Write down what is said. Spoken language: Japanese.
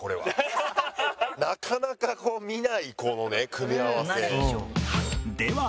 なかなか見ないこのね組み合わせ。